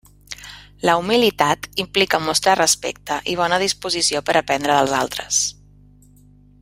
La humilitat implica mostrar respecte i bona disposició per aprendre dels altres.